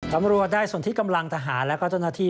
บรรมรัวดัยส่วนที่กำลังทหารและเจ้าหน้าที่